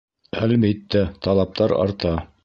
Әлбиттә, талаптар арта.